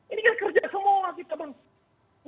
ini kan kerja semua kita bangsa